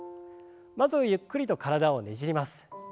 まずはゆっくりと体をねじります。